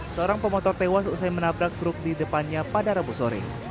seorang pemotor tewas usai menabrak truk di depannya pada rabu sore